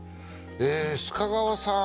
えー須賀川さん